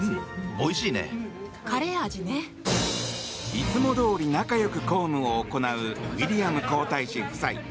いつもどおり仲良く公務を行うウィリアム皇太子夫妻。